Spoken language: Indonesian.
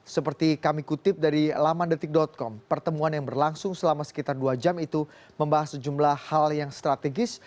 seperti kami kutip dari lamandetik com pertemuan yang berlangsung selama sekitar dua jam itu membahas sejumlah hal yang strategis